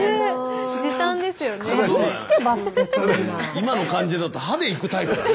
今の感じだと歯でいくタイプだね